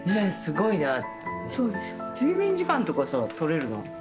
睡眠時間とかさ取れるの？